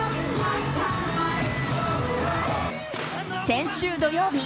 先週土曜日